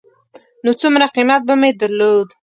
نو څومره قېمت به مې درلود.